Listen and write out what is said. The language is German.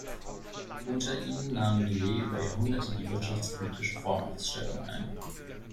Unter ihnen nahm Milet über Jahrhunderte die wirtschaftspolitische Vormachtstellung ein.